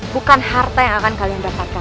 bukan harta yang akan kalian dapatkan